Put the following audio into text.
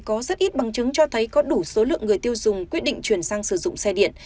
có rất ít bằng chứng cho thấy có đủ số lượng người tiêu dùng quyết định chuyển sang sử dụng xe điện